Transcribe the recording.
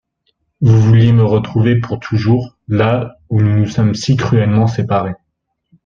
Vous vouliez me retrouver pour toujours là où nous nous sommes si cruellement séparés.